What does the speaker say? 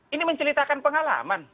ini menceritakan pengalaman